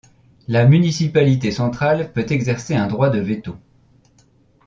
La municipalité centrale peut exercer un droit de veto.